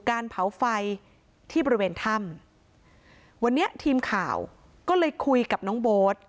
การเผาไฟที่บริเวณถ้ำวันนี้ทีมข่าวก็เลยคุยกับน้องโบ๊ท